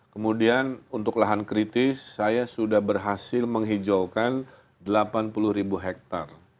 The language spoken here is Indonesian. kemudian untuk lahan kritis saya sudah berhasil menghijaukan delapan puluh ribu hektare